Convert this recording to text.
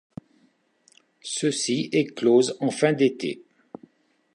Ceux-ci éclosent en fin d'été.